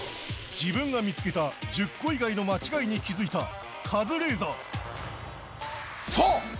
自分が見つけた１０個以外の間違いに気付いたカズレーザーそう！